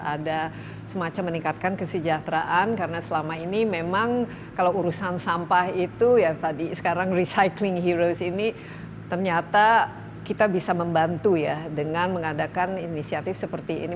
ada semacam meningkatkan kesejahteraan karena selama ini memang kalau urusan sampah itu ya tadi sekarang recycling heroes ini ternyata kita bisa membantu ya dengan mengadakan inisiatif seperti ini